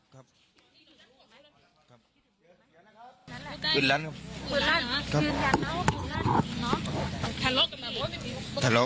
ปืนลั่นครับปืนลั่นปืนลั่นปืนลั่นหลอก